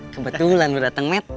kebetulan berdateng met